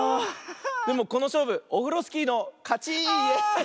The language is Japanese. でもこのしょうぶオフロスキーのかち！イエー！